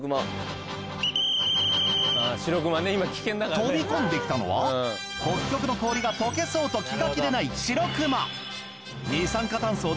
飛び込んできたのは北極の氷が溶けそうと気が気でないシロクマ。